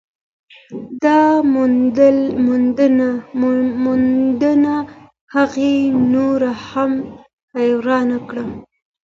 دا موندنه هغې نوره هم حیرانه کړه.